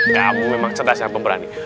kamu memang cerdas dan pemberani